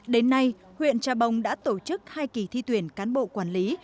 đến nay huyện trà bông đã tổ chức hai kỳ thi tuyển cán bộ quản lý